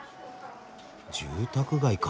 住宅街か。